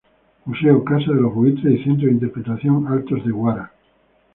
Museo "Casa de los Buitres" y Centro de interpretación "Altos de Guara".